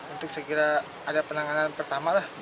untuk segera ada penanganan pertama lah